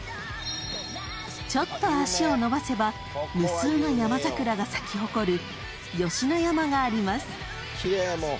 ［ちょっと足をのばせば無数の山桜が咲き誇る吉野山があります］